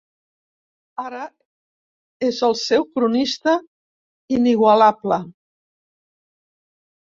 Ara és el seu cronista inigualable.